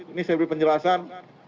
ini saya beri penjelasan